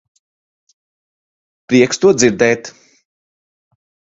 Prieks to dzirdēt.